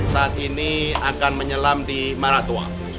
saat ini akan menyelam di maratua